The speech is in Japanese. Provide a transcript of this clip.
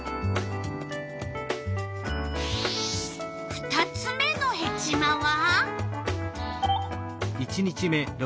２つ目のヘチマは？